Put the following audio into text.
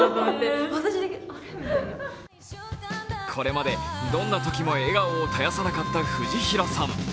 これまでどんなときも笑顔を絶やさなかった藤平さん。